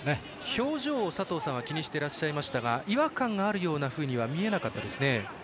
表情を佐藤さんは気にしてらっしゃいましたが違和感があるようには見えなかったですね。